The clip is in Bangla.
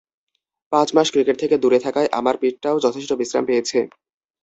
পাঁচ মাস ক্রিকেট থেকে দূরে থাকায় আমার পিঠটাও যথেষ্ট বিশ্রাম পেয়েছে।